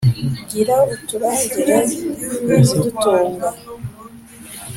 Gira uturangire izidutunga,